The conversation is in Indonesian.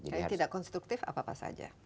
jadi tidak konstruktif apa apa saja